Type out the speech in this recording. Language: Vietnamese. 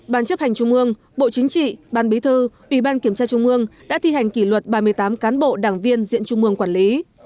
ban chấp hành trung ương bộ chính trị ban bí thư ủy ban kiểm tra trung ương đã thi hành kỷ luật ba mươi tám cán bộ đảng viên diện trung ương quản lý